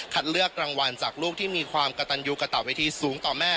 เลือกรางวัลจากลูกที่มีความกระตันยูกระต่อเวทีสูงต่อแม่